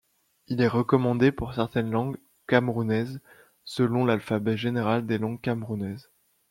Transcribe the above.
Il est recommandé pour certaines langues camérounaises selon l’Alphabet général des langues camerounaises.